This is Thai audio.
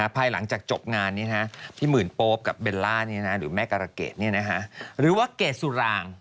ภายหลังจากจบงานนี้พี่หมื่นโป๊ปกับเบลล่าหรือแม่การะเกดหรือว่าเกดสุราง